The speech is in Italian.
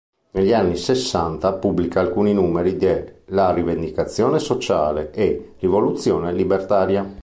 Negli anni Sessanta pubblica alcuni numeri de "La Rivendicazione Sociale" e "Rivoluzione Libertaria".